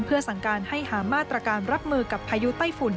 เพื่อสั่งการให้หามาตรการรับมือกับพายุไต้ฝุ่น